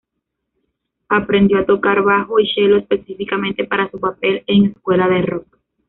Aprendió a tocar bajo y chelo específicamente para su papel en "Escuela de rock".